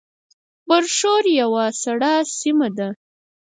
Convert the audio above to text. برښور یوه سړه سیمه ده